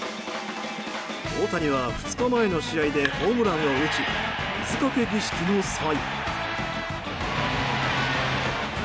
大谷は、２日前の試合でホームランを打ち水かけ儀式の際。